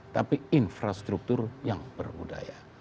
tapi infrastruktur yang berbudaya